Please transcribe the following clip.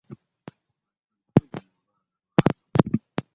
Lwaki ennaku zino olwalalwala?